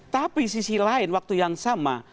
tapi sisi lain waktu yang sama